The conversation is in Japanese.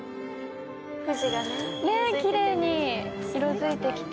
藤がきれいに色づいてきて。